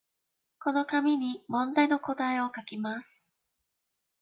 この紙に問題の答えを書きます。